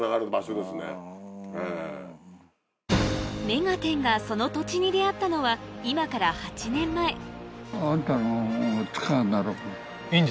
『目がテン！』がその土地に出合ったのは今からうん。